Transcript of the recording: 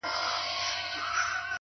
مثبت چلند د سختۍ تریخوالی کموي’